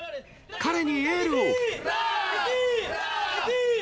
彼にエールを！